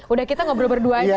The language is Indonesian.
udah kita ngobrol berduanya